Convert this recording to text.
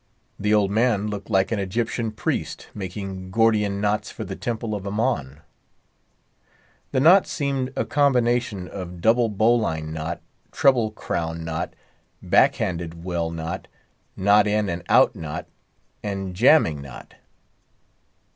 The old man looked like an Egyptian priest, making Gordian knots for the temple of Ammon. The knot seemed a combination of double bowline knot, treble crown knot, back handed well knot, knot in and out knot, and jamming knot.